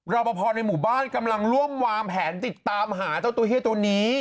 รอปภในหมู่บ้านกำลังร่วมวางแผนติดตามหาเจ้าตัวเฮ้ตัวนี้